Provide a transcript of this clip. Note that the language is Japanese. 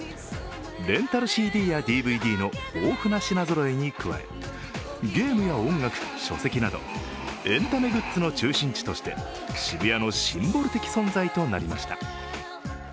レンタルＣＤやＤＶＤの豊富な品ぞろえに加えゲームや音楽、書籍などエンタメグッズの中心地として渋谷のシンボル的存在となりました。